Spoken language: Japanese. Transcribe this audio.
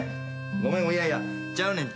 ごめんいやいやちゃうねん。